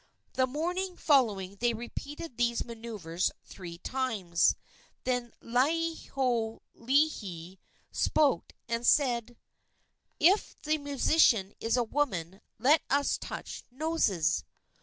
The morning following they repeated these manoeuvres three times. Then Laielohelohe spoke and said: "If the musician is a woman, let us touch noses."